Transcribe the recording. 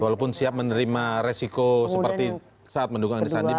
walaupun siap menerima resiko seperti saat mendukung andi sandi begitu